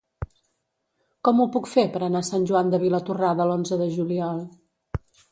Com ho puc fer per anar a Sant Joan de Vilatorrada l'onze de juliol?